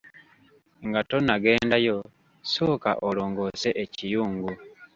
Nga tonnagendayo, sooka olongoose ekiyungu.